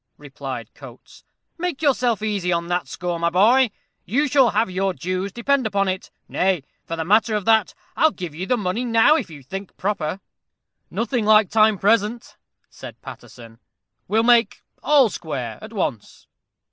replied Coates. "Make yourself easy on that score, my boy; you shall have your dues, depend upon it. Nay, for the matter of that, I'll give you the money now, if you think proper." "Nothing like time present," said Paterson. "We'll make all square at once."